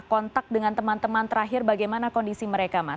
kontak dengan teman teman terakhir bagaimana kondisi mereka mas